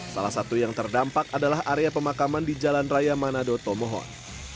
salah satu yang terdampak adalah area pemakaman di jalan raya manado tomohon